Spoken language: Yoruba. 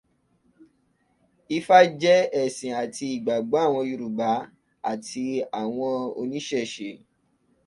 Ifá jẹ́ ẹ̀sìn àti ìgbàgbọ́ àwọn Yorùbá àti àwọn Oníṣẹ̀ṣe